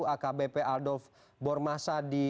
dan juga dengan kapolres kepulauan aru